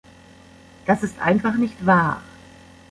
Das ist einfach nicht wahr.